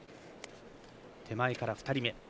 手前から２人目。